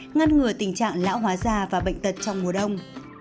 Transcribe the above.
ngăn ngừa tình trạng lão hóa da và bệnh tật trong mùa đông